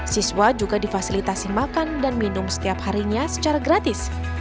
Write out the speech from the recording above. siswa juga difasilitasi makan dan minum setiap harinya secara gratis